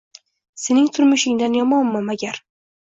Sening turmushingdan yomonmi magar?